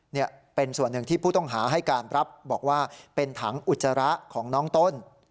นี่เป็นส่วนหนึ่งที่ผู้ต้องหาให้การรับบอกว่าเป็นถังอุจจาระของน้องต้น